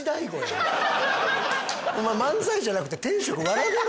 お前漫才じゃなくて。